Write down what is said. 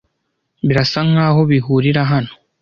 birasa nkaho bihurira hano